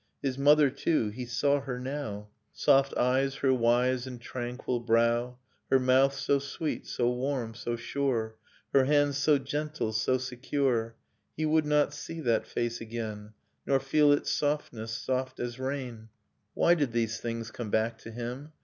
His mother, too, — he saw her now, — Soft eyes, her wise and tranquil brow, Nocturne of Remembered Spring Her mouth, so sweet, so warm, so sure, Her hands, so gentle, so secure ... He would not see that face again. Nor feel its softness, soft as rain ... Why did these things come back to him?